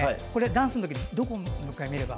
ダンスの時、どこを見れば？